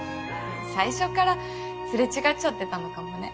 最初から擦れ違っちゃってたのかもね。